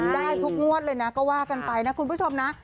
ได้ทุกงวดเลยนะก็ว่ากันไปนะคุณผู้ชมนะ